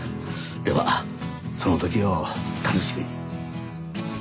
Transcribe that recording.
ではその時を楽しみに。